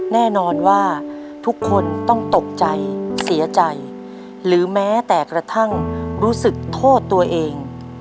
แน่นอนว่าทุกคนต้องตกใจเสียใจหรือแม้แต่กระทั่งรู้สึกโทษตัวเอง